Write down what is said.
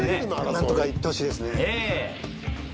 何とか行ってほしいですね。